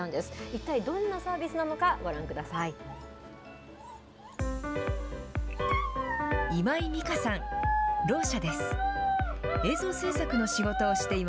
一体どんなサービスなのか、ご覧ください。